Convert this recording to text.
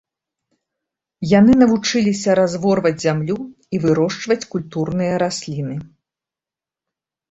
Яны навучыліся разворваць зямлю і вырошчваць культурныя расліны.